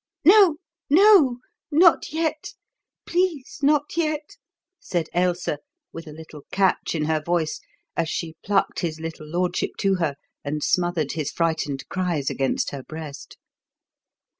"No, no! not yet! Please, not yet!" said Ailsa, with a little catch in her voice as she plucked his little lordship to her and smothered his frightened cries against her breast.